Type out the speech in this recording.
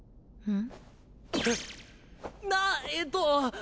ん？